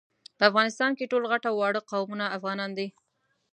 په افغانستان کي ټول غټ او واړه قومونه افغانان دي